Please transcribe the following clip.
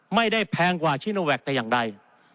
ไม่ได้แพงกว่าชิโนแว็กต์แต่ยังใด